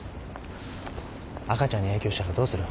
赤ちゃんに影響したらどうする？